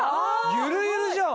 ゆるゆるじゃん。